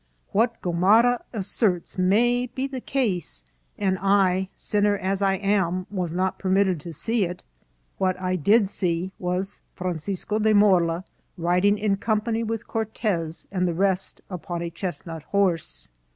What Gomara asserts may be the case, and I, sinner as I am, was not permitted to see it. What I did see was Francisco de Morla riding in company with Cortez and the rest upon a chestnut horse.